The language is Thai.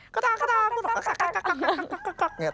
กระดาษ